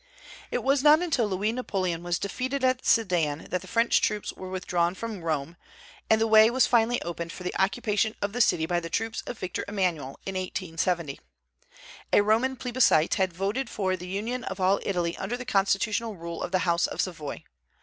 It was not until Louis Napoleon was defeated at Sedan that the French troops were withdrawn from Rome, and the way was finally opened for the occupation of the city by the troops of Victor Emmanuel in 1870. A Roman plebiscite had voted for the union of all Italy under the constitutional rule of the House of Savoy.